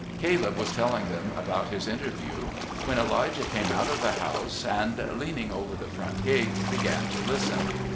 Caleb was telling them about his interview when Elijah came out of the house and, leaning over the front gate, began to listen.